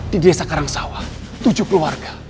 di desa karangsawah tujuh keluarga